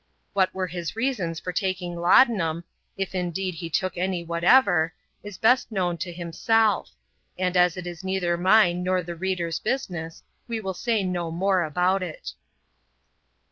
What were his reasons for taking kodanum, — if, indeed, he took any whatever, — is best known to himself ; and, as it is neither mine nor the reader's business, ^e will say no more about it.